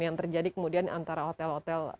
yang terjadi kemudian antara hotel hotel